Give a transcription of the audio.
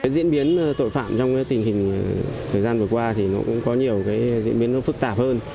diễn biến tội phạm trong tình hình thời gian vừa qua thì nó cũng có nhiều diễn biến phức tạp hơn